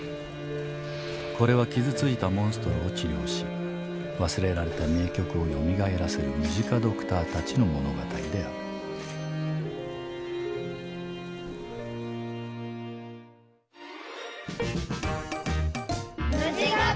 これは傷ついたモンストロを治療し忘れられた名曲をよみがえらせるムジカドクターたちの物語であるうぅ！